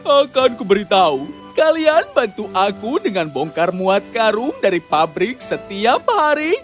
akan kuberitahu kalian bantu aku dengan bongkar muat karung dari pabrik setiap hari